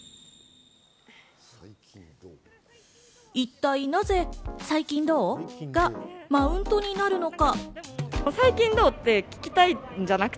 一体なぜ最近どう？がマウントになるのか。